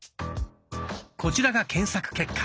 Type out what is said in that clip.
こちらが検索結果。